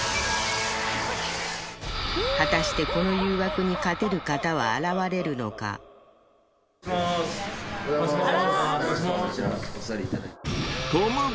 果たしてこの誘惑に勝てる方は現れるのかよろしくお願いします